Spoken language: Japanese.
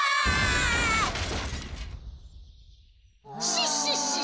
シッシッシッシ。